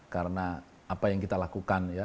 karena apa yang kita lakukan ya